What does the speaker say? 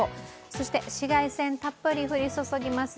そして紫外線たっぷり降り注ぎます。